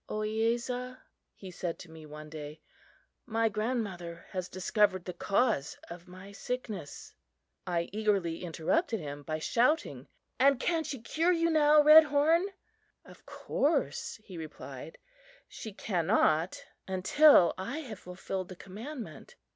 "Ohiyesa," he said to me one day, "my grandmother has discovered the cause of my sickness." I eagerly interrupted him by shouting: "And can she cure you now, Redhorn?" "Of course," he replied, "she cannot until I have fulfilled the commandment.